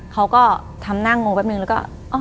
เขาก็ทำหน้างงแป๊บนึงแล้วก็